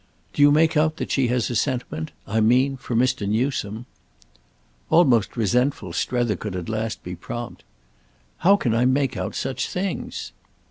"Do you make out that she has a sentiment? I mean for Mr. Newsome." Almost resentful, Strether could at last be prompt. "How can I make out such things?"